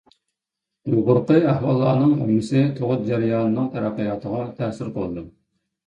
يۇقىرىقى ئەھۋاللارنىڭ ھەممىسى تۇغۇت جەريانىنىڭ تەرەققىياتىغا تەسىر قىلىدۇ.